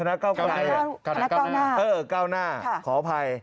แม้ว่าในทางคณะเค้าไพย